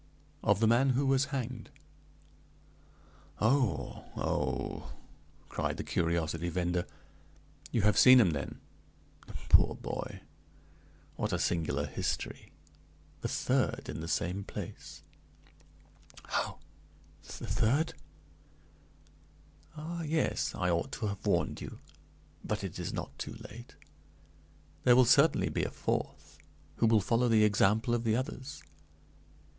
"Of the man who was hanged." "Oh, oh!" cried the curiosity vender. "You have seen him, then? The poor boy! What a singular history! The third in the same place." "How the third?" "Ah, yes! I ought to have warned you; but it is not too late. There will certainly be a fourth, who will follow the example of the others.